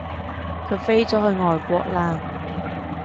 佢飛咗去外國喇